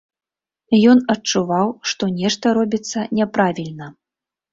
Ён адчуваў, што нешта робіцца няправільна.